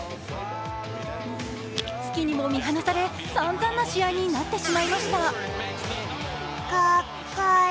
ツキにも見放され、さんざんな試合になってしまいました。